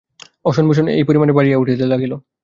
Ocean বসন ভূষণও এই পরিমাণে বাড়িয়া উঠিতে লাগিল।